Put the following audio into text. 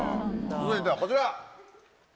続いてはこちら！